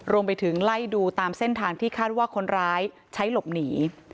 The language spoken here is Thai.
รวมไปถึงไล่ดูตามเส้นทางที่คาดว่าคนร้ายใช้หลบหนี